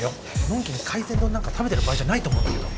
のんきに海鮮丼なんか食べてる場合じゃないと思うんだけど。